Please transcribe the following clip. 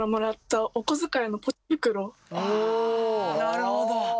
なるほど。